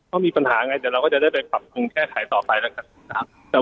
ว่าใครผิดใครอันนี้ก็แล้วแต่